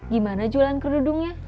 gimana jualan kerudungnya